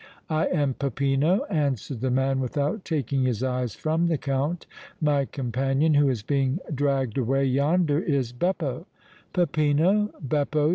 "I am Peppino," answered the man, without taking his eyes from the Count. "My companion who is being dragged away yonder is Beppo." "Peppino? Beppo?"